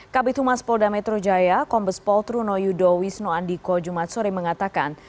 kabitumas polda metro jaya kombes pol truno yudo wisno andiko jumat sore mengatakan